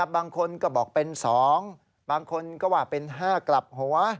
บางคนก็บอกเป็น๒บางคนก็ว่าเป็น๕กลับหัว